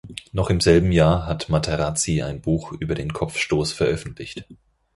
Noch im selben Jahr hat Materazzi ein Buch über den Kopfstoß veröffentlicht.